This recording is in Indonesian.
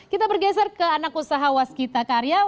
kita bergeser ke anak usaha waskita karya